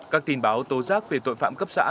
các tin báo tố giác về tội phạm cấp xã